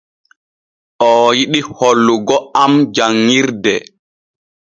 Oo yiɗi hollugo am janŋirde.